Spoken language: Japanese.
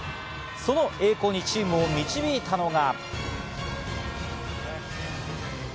その栄光にチームを導いたのが。